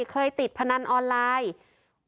เคยติดพนันออนไลน์